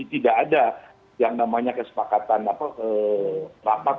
jadi tidak ada yang namanya kesepakatan rapat